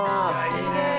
きれい。